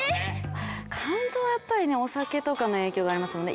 肝臓はやっぱりねお酒とかの影響がありますよね。